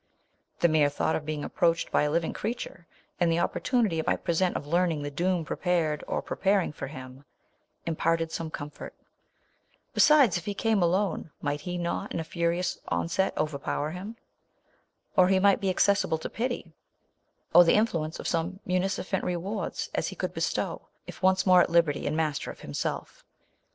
The mere thought of brin:: approached by a living crea ture," and the opportunity it might present of learning the doom prepa red, or preparing, for him, imparted prrtonio comfort. Besides, if he came BuKpue, mil lit he not in a furious on •rpower him ''. Or he might risible to pity, or tho influence of such munificent rewards as he could bestow, if once more at Jiber *The Iron Shroud, f Aug. ty and master of himself.